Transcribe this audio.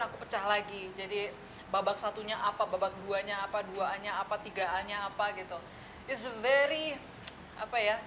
aku pecah lagi jadi babak satunya apa babak dua nya apa dua a nya apa tiga a nya apa gitu it's very apa ya